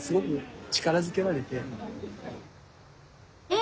え？